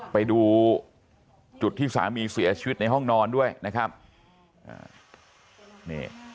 ไปดูจุดที่สามีเสียชีวิตในห้องนอนด้วยนะครับอ่านี่